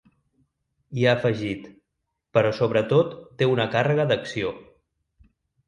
I ha afegit: Però sobretot té una càrrega d’acció.